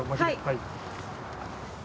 はい。